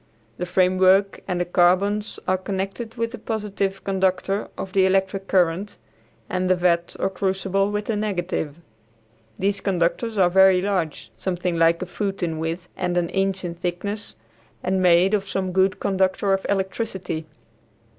The framework and the carbons are connected with the positive conductor of the electric current, and the vat or crucible with the negative. These conductors are very large, something like a foot in width and an inch in thickness, and made of some good conductor of electricity.